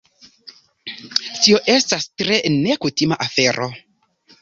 Tio estas tre nekutima afero.